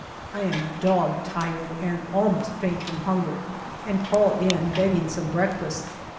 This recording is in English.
I am dog tired and almost faint from hunger, and call in, begging some breakfast.